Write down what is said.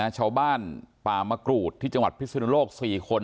ชาวบ้านป่ามะกรูดที่จังหวัดพิศนุโลก๔คน